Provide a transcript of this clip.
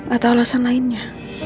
atau alasan lainnya